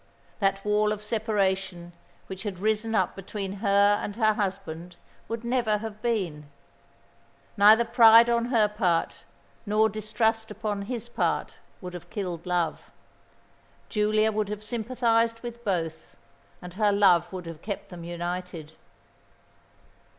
That wall of separation which had risen up between her and her husband would never have been. Neither pride on her part nor distrust upon his part would have killed love. Giulia would have sympathised with both; and her love would have kept them united.